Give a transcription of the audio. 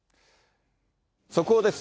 速報です。